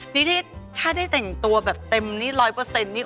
นี่ถ้าได้แต่งตัวแบบเต็มนี่ร้อยเปอร์เซ็นต์นี่